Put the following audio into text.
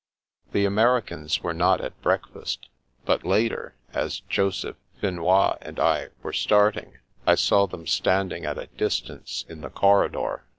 The Americans were not at breakfast, but later, as Joseph, Finois, and I were starting, I saw them standing at a distance in the corridor.